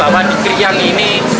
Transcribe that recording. bahwa di krian ini